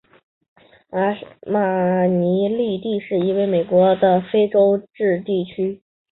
马尼斯蒂是一个位于美国阿拉巴马州门罗县的非建制地区。